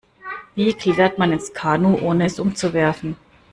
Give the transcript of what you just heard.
Wie klettert man ins Kanu, ohne es umzuwerfen?